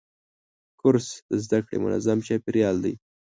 کورس د زده کړې منظم چاپېریال دی.